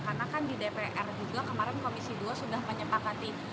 karena kan di dpr juga kemarin komisi dua sudah menyepakati